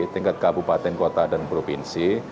tingkat kabupaten kota dan provinsi